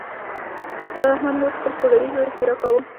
د احمد مور خپل پوډري زوی ښیرأ کاوه.